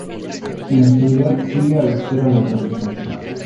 En la actualidad sigue a la espera de rehabilitación.